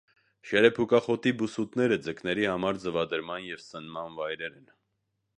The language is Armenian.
Շերեփուկախոտի բուսուտները ձկների համար ձվադրման և սնման վայրեր են։